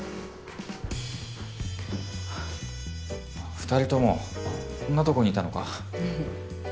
２人ともこんなとこにいたのか。